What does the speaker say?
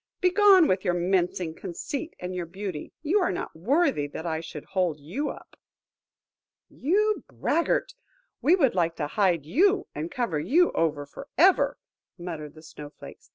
Begone with your mincing conceit and your beauty, you are not worthy that I should hold you up." "You braggart! we should like to hide you and cover you over for ever," muttered the Snow flakes.